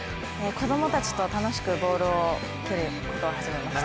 子供たちと楽しくボールを蹴ることを始めました。